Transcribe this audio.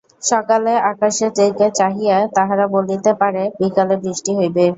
সকালে আকাশের দিকে চাহিয়া তাহারা বলিতে পারে বিকালে বৃষ্টি হইবে।